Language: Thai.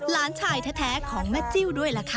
หลานชายแท้ของแม่จิ้วด้วยล่ะค่ะ